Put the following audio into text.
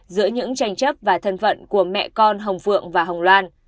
giữa những tranh chấp và thân phận của mẹ con hồng phượng và hồng loan